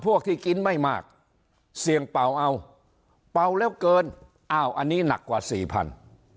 พวกที่กินไม่มากเสี่ยงเป่าเอาเป่าแล้วเกินอ้าวอันนี้หนักกว่าสี่พัน